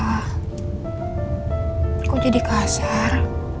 aku jadi kasar